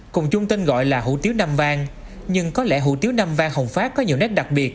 cùng chung tên gọi là hủ tiếu nam vang nhưng có lẽ hủ tiếu nam vang hồng phát có nhiều nét đặc biệt